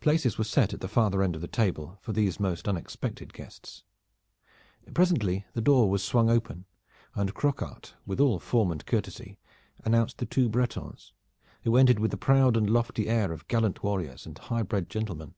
Places were set at the farther end of the table for these most unexpected guests. Presently the door was swung open, and Croquart with all form and courtesy announced the two Bretons, who entered with the proud and lofty air of gallant warriors and high bred gentlemen.